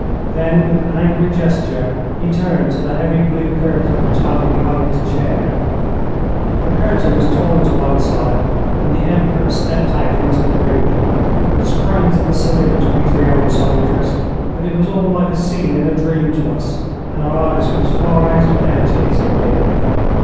Then, with an angry gesture, he turned to the heavy blue curtain which hung behind his chair. The curtain was torn to one side and the Emperor stepped out into the room. We sprang to the salute, we three old soldiers, but it was all like a scene in a dream to us, and our eyes were as far out as Berthier's had been.